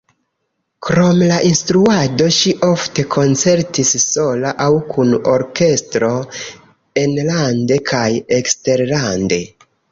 Krom la instruado ŝi ofte koncertis sola aŭ kun orkestro enlande kaj eksterlande.